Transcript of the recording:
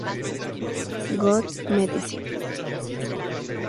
God Medicine